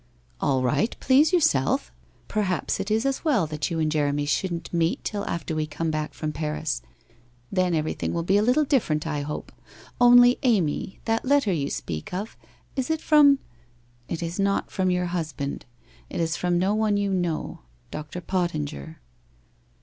' All right, please yourself. Perhaps it is as well that you and Jeremy shouldn't meet till after we come back from Paris. Then everything will be a little different, I hope. Only, Amy, that letter you speak of? — Is it from '' It is not from your husband. It is from no one you know — Dr. Pottinger.'